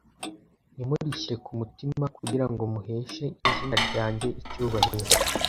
ntimurishyire ku mutima kugira ngo muheshe izina ryanjye icyubahiro